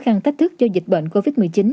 khăn thách thức do dịch bệnh covid một mươi chín